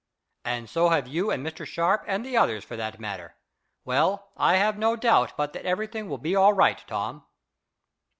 "And so have you and Mr. Sharp and the others, for that matter. Well, I have no doubt but that everything will be all right, Tom."